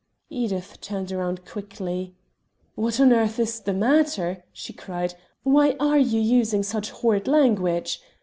Edith turned round quickly. "What on earth is the matter?" she cried. "Why are you using such horrid language?